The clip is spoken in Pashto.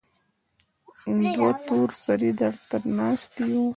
دوه تور سرې درته ناستې يو.